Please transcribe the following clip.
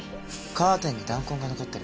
カーテンに弾痕が残ってる。